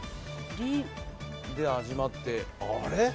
「り」で始まってあれ？